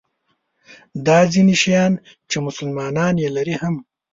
دا ځیني شیان چې مسلمانان یې لري هم.